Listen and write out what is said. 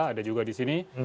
ada juga di sini